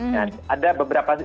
nah ada beberapa disrupsi